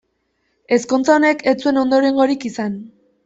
Ezkontza honek ez zuen ondorengorik izan.